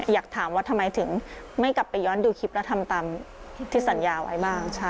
อยากถามว่าทำไมถึงไม่กลับไปย้อนดูเรธำตำคืนที่สัญญาไว้บ้าง